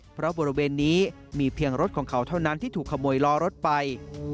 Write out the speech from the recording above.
เพราะบริเวณนี้มีเพียงรถของเขาเท่านั้นที่ถูกขโมยล้อรถไป